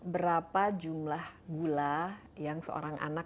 berapa jumlah gula yang seorang anak